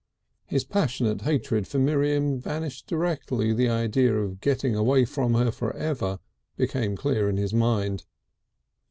His passionate hatred for Miriam vanished directly the idea of getting away from her for ever became clear in his mind.